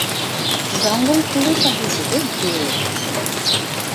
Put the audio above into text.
জঙ্গল পুরো শহরটিকে ঘিরে রেখেছে।